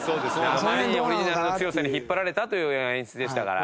あまりにオリジナルの強さに引っ張られたという演出でしたから。